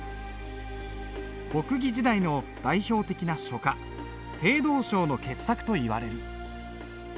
北魏時代の代表的な書家鄭道昭の傑作といわれる。